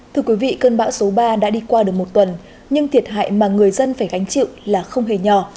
thưa quý vị cơn bão số ba đã đi qua được một tuần nhưng thiệt hại mà người dân phải gánh chịu là không hề nhỏ